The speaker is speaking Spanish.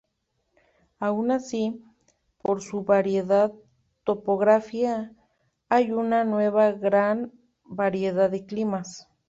Aun así, por su variada topografía, hay una gran diversidad de climas.